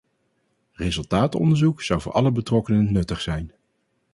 Resultatenonderzoek zou voor alle betrokkenen nuttig zijn.